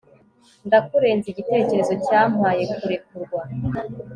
ndakurenze ... igitekerezo cyampaye kurekurwa